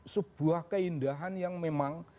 sebuah keindahan yang memang